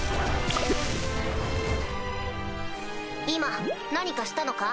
今何かしたのか？